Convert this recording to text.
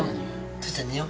父ちゃん寝よう。